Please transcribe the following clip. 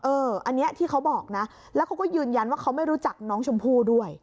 อันนี้ที่เขาบอกนะแล้วเขาก็ยืนยันว่าเขาไม่รู้จักน้องชมพู่ด้วย